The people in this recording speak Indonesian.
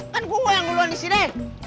kan gue yang duluan disini